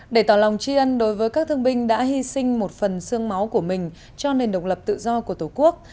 để tỏ lòng tri ân đối với các thương binh đã hy sinh một phần sương máu của mình cho nền độc lập tự do của tổ quốc